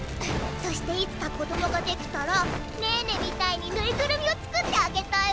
そしていつか子供ができたらねーねみたいにぬいぐるみをつくってあげたいわ。